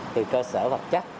từ cơ sở vật chất